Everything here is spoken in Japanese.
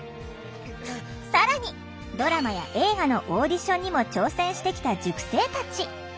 更にドラマや映画のオーディションにも挑戦してきた塾生たち。